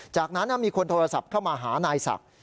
จากนั้นมีคนโทรศัพท์เข้ามาหานายศักดิ์